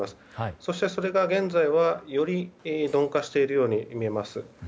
そして、それが現在はより鈍化してるように見えます。